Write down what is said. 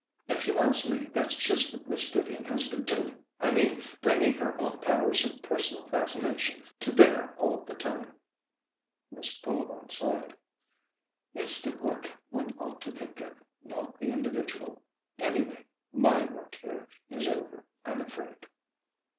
"If you ask me, that's just what Miss Vivian has been doing. I mean, bringing her own powers of personal fascination to bear all the time." Mrs. Bullivant sighed. "It's the work one ought to think of, not the individual. Anyway, my work here is over, I'm afraid."